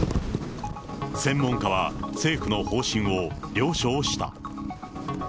専門家は、政府の方針を了承した。